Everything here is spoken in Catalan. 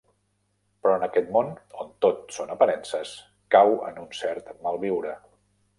Però en aquest món on tot són aparences, cau en un cert mal viure.